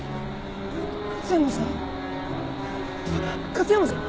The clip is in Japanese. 勝山さん？